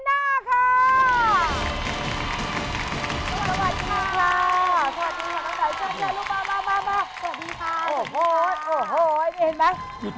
เจ้ารู้ป่าวสวัสดีค่ะ